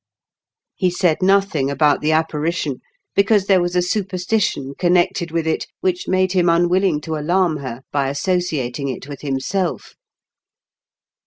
He said nothing about the apparition, because there was a superstition connected with it which made him unwilling to alarm her by associating it with himself.